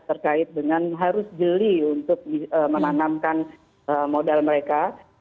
terkait dengan harus jeli untuk menanamkan modal mereka